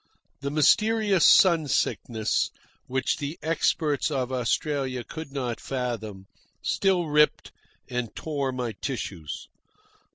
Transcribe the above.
The mysterious sun sickness, which the experts of Australia could not fathom, still ripped and tore my tissues.